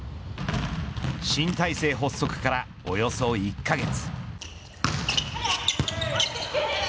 新体制発足からおよそ１カ月。